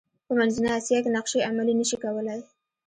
په منځنۍ اسیا کې نقشې عملي نه شي کولای.